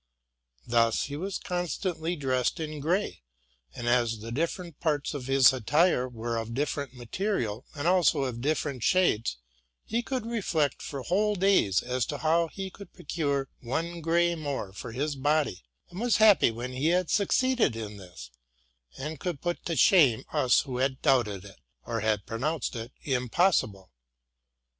Thus he was constantly dressed in gray ; and as the different parts of his attire were of different material, and also of different shades, he could reflect for whole days as to how he should procure one gray more for his body, and was happy when he had succeeded in this, and could put to shame us who had doubted it, or had pronounced it impossible.